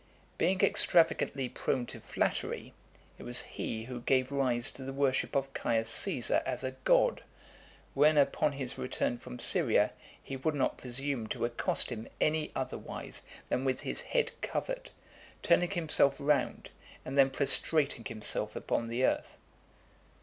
Being extravagantly prone to flattery, it was he who gave rise to the worship of Caius Caesar as a god, when, upon his return from Syria, he would not presume to accost him any otherwise than with his head covered, turning himself round, and then prostrating himself upon the earth.